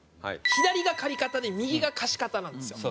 左が借方で右が貸方なんですよ。